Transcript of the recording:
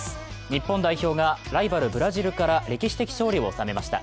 日本代表がライバル・ブラジルから歴史的勝利を収めました。